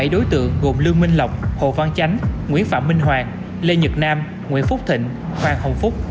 bảy đối tượng gồm lương minh lộc hồ văn chánh nguyễn phạm minh hoàng lê nhật nam nguyễn phúc thịnh hoàng hồng phúc